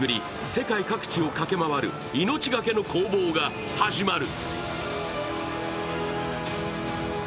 世界各地を駆け回る命懸けの攻防が始まる。